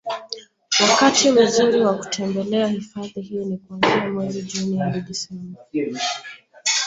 Wakati mzuri wa kutembelea hifadhi hii ni kuanzia mwezi Juni hadi Desemba